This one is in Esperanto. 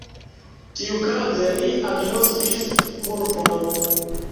Tiukaze li agnoskis kulpon.